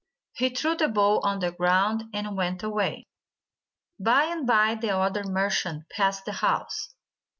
He threw the bowl on the ground, and went away. By and by the other merchant passed the house.